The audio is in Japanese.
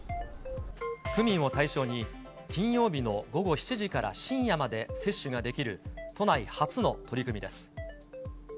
区民を対象に、金曜日の午後７時から深夜まで接種ができる、都内初の取り組みです。